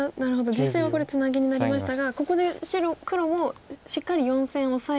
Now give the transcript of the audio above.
実戦はこれツナギになりましたがここで黒もしっかり４線オサえて。